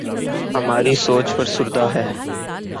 ہماری سوچ فرسودہ ہے۔